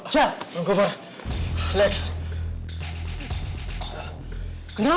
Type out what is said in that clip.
tantangan buat dia